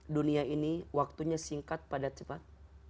dunia ini waktunya singkat padat cepat